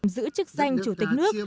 giữ chức danh chủ tịch nước